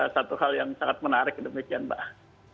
satu hal yang sangat menarik demikian mbak